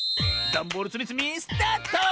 ダンボールつみつみスタート！